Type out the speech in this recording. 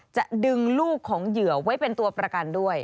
จะดึงลูกของเหยื่อไว้เป็นตัวประกันด้วย